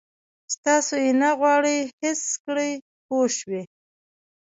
چې تاسو یې نه غواړئ حس کړئ پوه شوې!.